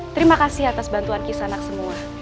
terima kasih atas bantuan kisah anak semua